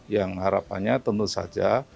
yang harapannya tentu saja